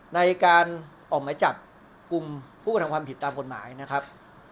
ในการออกหมายจับกลุ่มผู้กระทำความผิดตามกฎหมายนะครับ